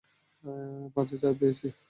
পাঁচে চার পেয়েছি!